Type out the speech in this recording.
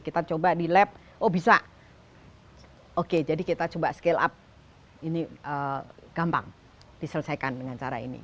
kita coba di lab oh bisa oke jadi kita coba scale up ini gampang diselesaikan dengan cara ini